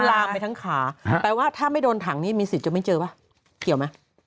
ลามไปทั้งขาแปลว่าถ้าไม่โดนถังนี้มีสิทธิ์จะไม่เจอป่ะเกี่ยวไหม